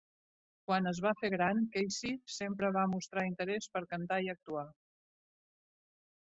Quan es va fer gran, Casey sempre va mostrar interès per cantar i actuar.